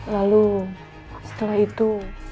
lalu setelah itu